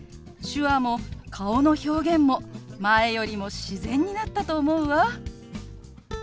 手話も顔の表現も前よりも自然になったと思うわ。